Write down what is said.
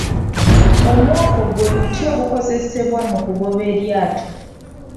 Omwoko gwe muti ogukozesebwa mu kugoba eryato.